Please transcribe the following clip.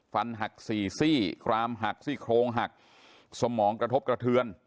ฟันหักสี่ซี่กรามหักซี่โครงหักสมองกระทบกระเทือน